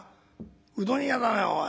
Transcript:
うどん屋だねおい。